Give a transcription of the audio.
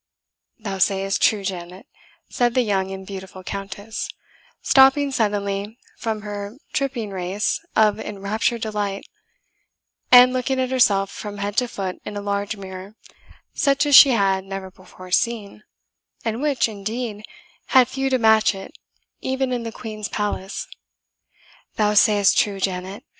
"Thou sayest true, Janet," said the young and beautiful Countess, stopping suddenly from her tripping race of enraptured delight, and looking at herself from head to foot in a large mirror, such as she had never before seen, and which, indeed, had few to match it even in the Queen's palace "thou sayest true, Janet!"